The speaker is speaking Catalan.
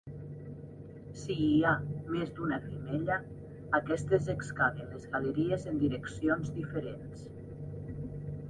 Si hi ha més d'una femella, aquestes excaven les galeries en direccions diferents.